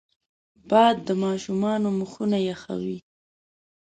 باد د ماشومانو مخونه یخوي